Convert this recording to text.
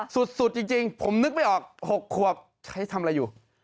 สุดจริงผมนึกไม่ออก๖ขวบใช้ทำอะไรอยู่